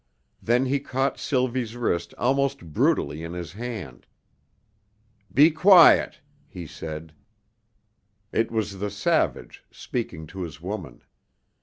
Then he caught Sylvie's wrist almost brutally in his hand. "Be quiet!" he said; it was the savage speaking to his woman.